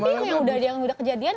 tapi yang sudah kejadian